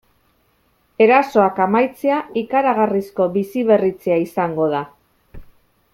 Erasoak amaitzea ikaragarrizko biziberritzea izango da.